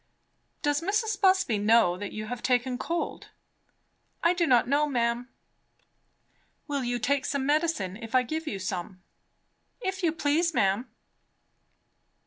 "Does Mrs. Busby know that you have taken cold?" "I do not know, ma'am." "Will you take some medicine, if I give you some?" "If you please, ma'am."